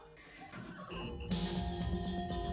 tidak ada yang bisa dikira